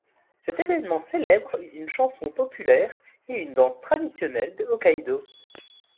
Cet événement célèbre une chanson populaire et une danse traditionnelles de Hokkaido.